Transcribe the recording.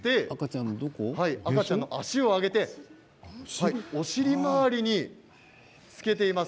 赤ちゃんの足を上げてお尻周りにつけています。